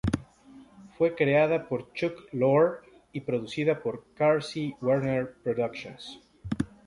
Fue creada por Chuck Lorre y producida por Carsey-Werner Productions.